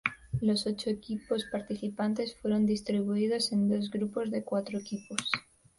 Los ocho equipos participantes fueron distribuidos en dos grupos de cuatro equipos.